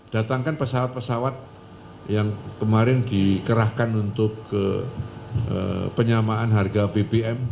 datangkan pesawat pesawat yang kemarin dikerahkan untuk penyamaan harga bbm